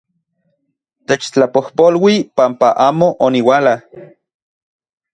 Techtlapojpolui panpa amo oniuala...